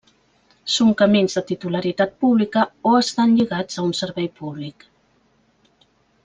Són camins de titularitat pública o estan lligats a un servei públic.